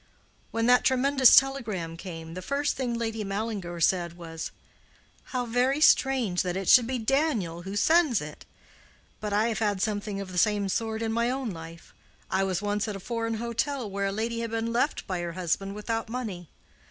When that tremendous telegram came, the first thing Lady Mallinger said was, 'How very strange that it should be Daniel who sends it!' But I have had something of the same sort in my own life. I was once at a foreign hotel where a lady had been left by her husband without money.